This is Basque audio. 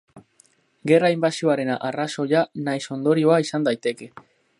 Gerra inbasioaren arrazoia nahiz ondorioa izan daiteke.